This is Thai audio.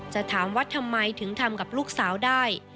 จะถามว่าทำไมถึงทำกับลูกสาวได้